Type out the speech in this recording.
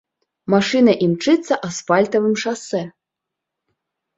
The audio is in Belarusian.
Машына імчыцца асфальтавым шасэ.